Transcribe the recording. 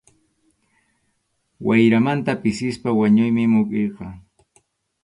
Wayramanta pisispa wañuymi mukiyqa.